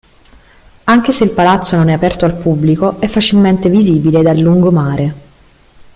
Anche se il palazzo non è aperto al pubblico, è facilmente visibile dal lungomare.